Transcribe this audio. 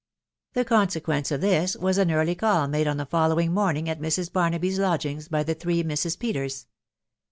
The consequence of this was an early call made on the fol lowing morning at Mrs. Barnaby's lodgings by the three Misses Peters.